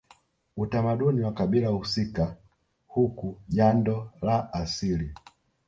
Utamaduni wa kabila husika huku jando la asili